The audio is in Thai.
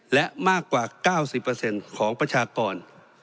และมากกว่า๙๐เปอร์เซ็นต์ของประชากร